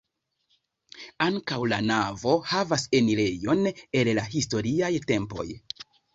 Ankaŭ la navo havas enirejon el la historiaj tempoj.